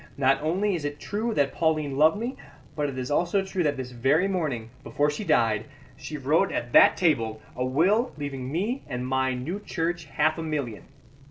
Not only is it true that Pauline loved me, but it is also true that this very morning, before she died, she wrote at that table a will leaving me and my new church half a million.